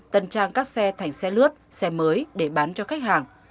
tần trang các xe thành xe lướt xe mới để bán cho khách hàng